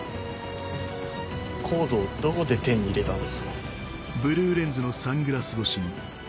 ＣＯＤＥをどこで手に入れたんですか？